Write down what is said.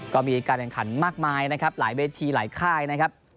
ก็มีการแข่งขันมากมายนะครับหลายเวทีหลายค่ายนะครับ